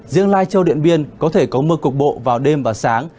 riêng lai châu điện biên có thể có mưa cục bộ vào đêm và sáng